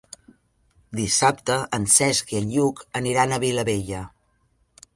Dissabte en Cesc i en Lluc aniran a Vilabella.